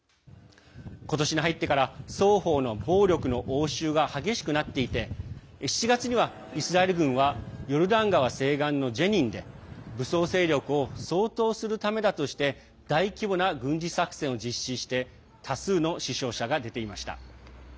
今年に入ってから、双方の暴力の応酬が激しくなっていて７月にはイスラエル軍はヨルダン川西岸のジェニンで武装勢力を掃討するためだとして大規模な軍事作戦を実施して多数の死傷者が出ていました。